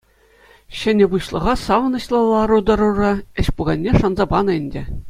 Ҫӗнӗ пуҫлӑха савӑнӑҫлӑ лару-тӑрура ӗҫ пуканне шанса панӑ ӗнтӗ.